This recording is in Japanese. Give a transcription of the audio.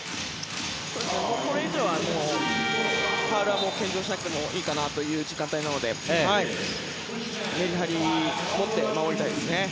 これ以上はファウルは献上しなくていい時間帯なのでメリハリを持って守りたいですね。